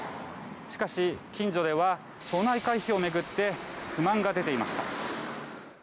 しかし、近所では町内会費を巡って不満が出ていました。